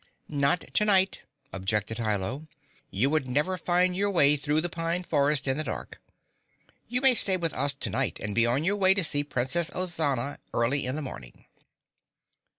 "Not tonight," objected Hi Lo. "You would never find your way through the Pine Forest in the dark. You may stay with us tonight and be on your way to see Princess Ozana early in the morning."